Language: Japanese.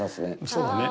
そうだね。